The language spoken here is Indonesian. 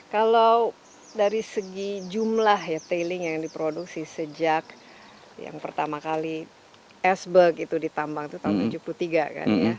kalau dari segi jumlah ya tailing yang diproduksi sejak yang pertama kali esberg itu ditambang itu tahun seribu sembilan ratus tujuh puluh tiga kan ya